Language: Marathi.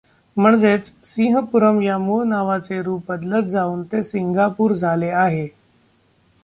म्हणजेच सिंहपुरम या मूळ नावाचे रूप बदलत जाऊन ते सिंगापूर झाले आहे.